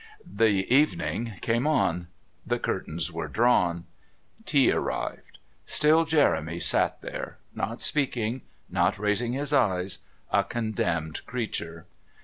The evening came on; the curtains were drawn. Tea arrived; still Jeremy sat there, not speaking, not raising his eyes, a condemned creature.